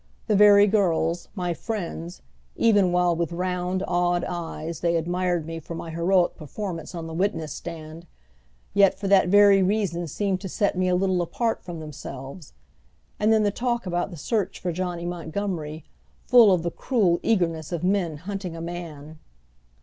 The very girls, my friends, even while with round, awed eyes they admired me for my heroic performance on the witness stand, yet, for that very reason seemed to set me a little apart from themselves. And then the talk about the search for Johnny Montgomery, full of the cruel eagerness of men hunting a man!